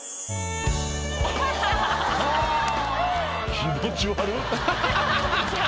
気持ち悪っ。